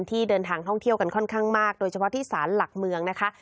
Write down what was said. ที่เดินทางท่องเที่ยวกันค่อนข้างมากโดยเฉพาะที่สารหลักเมืองนะคะ